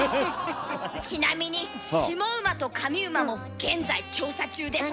ちなみに下馬と上馬も現在調査中です。